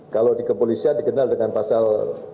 kalau di kepolisian dikenal dengan pasal tiga ratus empat puluh